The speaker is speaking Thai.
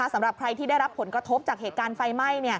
สำหรับใครที่ได้รับผลกระทบจากเหตุการณ์ไฟไหม้